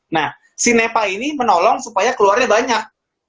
nah si nepa ini menolong supaya keluarnya banyak